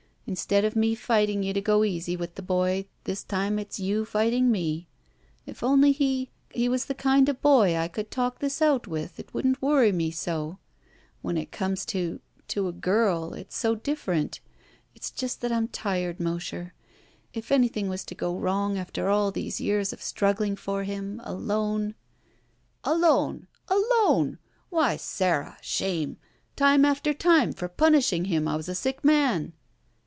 In stead of me fighting you to go easy with the boy, this time it's you fighting me. If only he — ^he was the kind of boy I could talk this out with, it wouldn't worry me so. When it comes to — ^to a girl — it's so dif ferent. It's just that I'm tired, Mosher. If anything was to go wrong after all these years of struggling for him — alone —" "Alone! Alone! Why, Sara! Shame! Time after time for ptmishing him I was a sick man!"